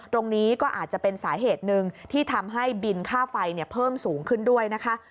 ตรงนี้ก็อาจจะเป็นสาเหตุหนึ่งที่ทำให้บินค่าไฟเพิ่มสูงขึ้นด้วยนะคะ